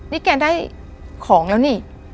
นี่แกได้ของแล้วนี่